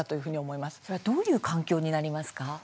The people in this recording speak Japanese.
それはどういう環境になりますか？